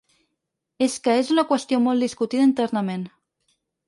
És que és una qüestió molt discutida internament.